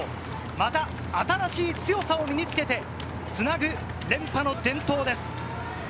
また新しい強さを身につけてつなぐ連覇の伝統です。